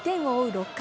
６回。